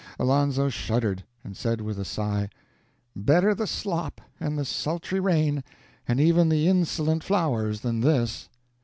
Alonzo shuddered, and said with a sigh, "Better the slop, and the sultry rain, and even the insolent flowers, than this!"